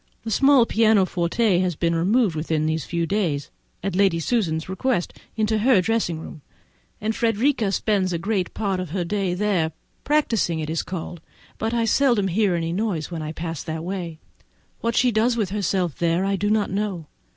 The small pianoforte has been removed within these few days, at Lady Susan's request, into her dressing room, and Frederica spends great part of the day there, practising as it is called; but I seldom hear any noise when I pass that way; what she does with herself there I do not know.